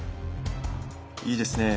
いいですね。